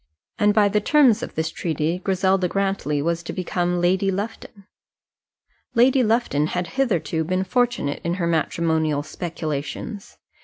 And by the terms of this treaty Griselda Grantly was to become Lady Lufton. Lady Lufton had hitherto been fortunate in her matrimonial speculations.